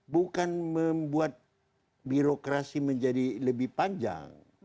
bukan membuat birokrasi menjadi lebih panjang